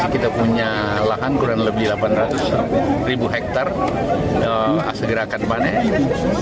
kita punya lahan kurang lebih delapan ratus ribu hektare segera akan panen